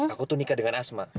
aku tuh nikah dengan asma